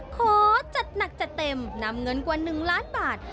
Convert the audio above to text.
ขอจัดหนักจัดเต็มนำเงินกว่า๑ล้านบาท